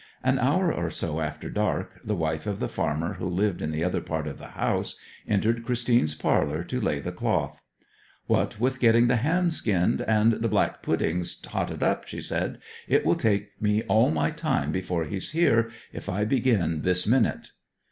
An hour or so after dark the wife of the farmer who lived in the other part of the house entered Christine's parlour to lay the cloth. 'What with getting the ham skinned, and the black puddings hotted up,' she said, 'it will take me all my time before he's here, if I begin this minute.'